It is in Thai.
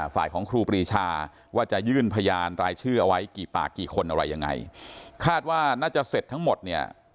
ฝ่ายของครูปรีชาว่าจะยื่นพยานรายชื่อเอาไว้กี่ปากกี่คนอะไรยังไงคาดว่าน่าจะเสร็จทั้งหมดเนี่ย